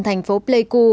thành phố pleiku